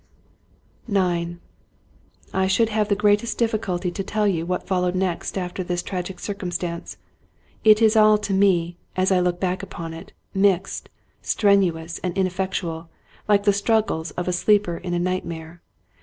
IX I SHOULD have the greatest difficulty to tell you what fol lowed next after this tragic circumstance. It is all to me, as I look back upon it, mixed, strenuous, and ineffectual, like the struggles of a sleeper in a nightmare.